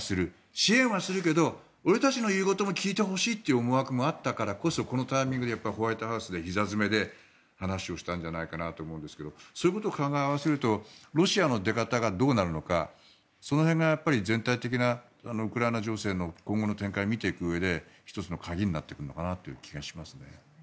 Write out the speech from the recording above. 支援はするけど俺たちの言うことも聞いてほしいという思惑もあったからこそこのタイミングでホワイトハウスでひざ詰めで話をしたんじゃないかと思うんですがそういうことを考え合わせるとロシアの出方がどうなるのかその辺が全体的なウクライナ情勢の今後の展開を見ていくうえで１つの鍵になってくるのかなという気がします。